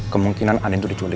kemungkinan andin tuh diculik